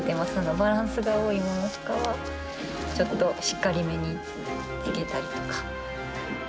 バランスが多いものとかは、ちょっとしっかりめに付けたりとか。